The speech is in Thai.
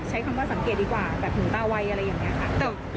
ถ้าเกิดแบบครับเราไม่รู้จริงแหวนค่ะ